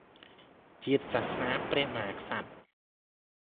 ជាតិ សសនា ព្រះមហាក្សត្រ